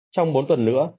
trong bốn tuần nữa